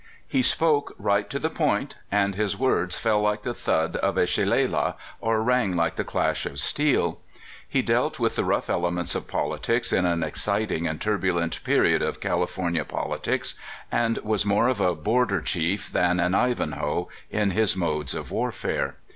He spoke right to the point, and his words fell like the thud of a shillalah or rang like the clash of steel. He dealt with the rough elements of politics in an exciting and turbulent period of California poli tics, and was more of a border chief than an Ivanhoe in his modes of warfare.